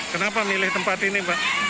kenapa milih tempat ini pak